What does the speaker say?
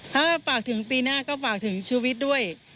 ถ้าฝากถึงปีหน้าก็ฝากถึงชีวิตด้วย